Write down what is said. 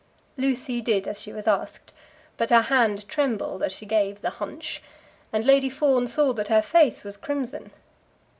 Lucy did as she was asked, but her hand trembled as she gave the hunch, and Lady Fawn saw that her face was crimson.